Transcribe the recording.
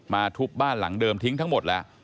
ทุบบ้านหลังเดิมทิ้งทั้งหมดแล้ว